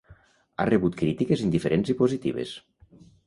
Ha rebut crítiques indiferents i positives.